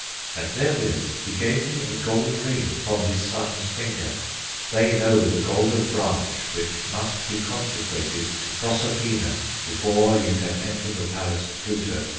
And therewith he gave me a gold ring from his son's finger. 'They know the golden branch which must be consecrated to Proserpina before you can enter the palace of Pluto.